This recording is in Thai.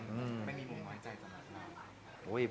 ไม่มีมุ่งน้อยใจตลอดเหรอ